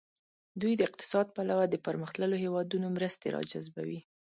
دوی د اقتصادي پلوه د پرمختللو هیوادونو مرستې را جذبوي.